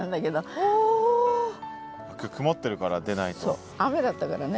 そう雨だったからね。